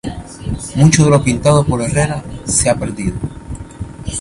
Mucho de lo pintado por Herrera se ha perdido.